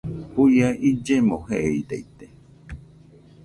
Juia illeno jeeidaite